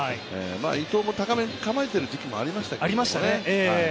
伊藤も高めに構えている時期もありましたけどね。